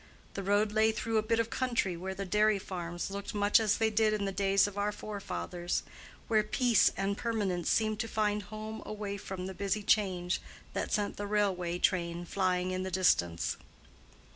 The road lay through a bit of country where the dairy farms looked much as they did in the days of our forefathers—where peace and permanence seemed to find a home away from the busy change that sent the railway train flying in the distance.